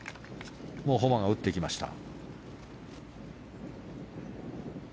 ホマが打ってきました。